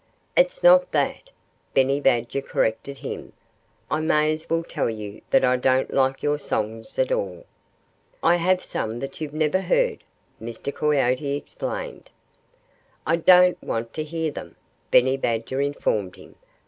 "It's not that," Benny Badger corrected him. "I may as well tell you that I don't like your songs at all." "I have some that you've never heard," Mr. Coyote explained. "I don't want to hear them," Benny Badger informed him.